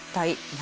何？